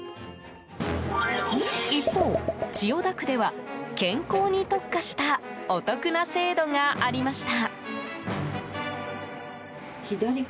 一方、千代田区では健康に特化したお得な制度がありました。